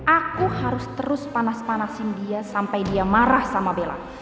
aku harus terus panas panasin dia sampai dia marah sama bella